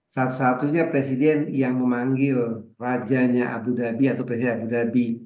satu satunya presiden yang memanggil rajanya abu dhabi atau presiden abu dhabi